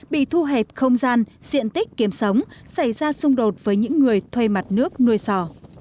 bị thu hẹp không gian diện tích kiếm sống xảy ra xung đột với những người thuê mặt nước nuôi sò